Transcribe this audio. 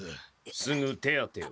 すぐ手当てを。